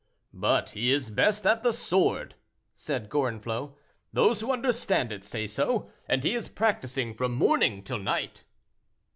"But he is best at the sword," said Gorenflot; "those who understand it, say so, and he is practicing from morning till night."